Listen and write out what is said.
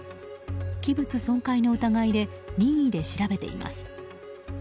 器物損壊の疑いで任意で調べています。